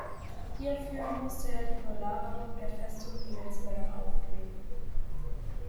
Hierfür musste er die Belagerung der Festung Dilsberg aufgeben.